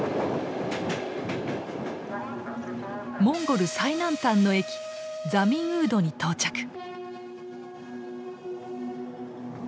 モンゴル最南端の駅ザミンウードに到着。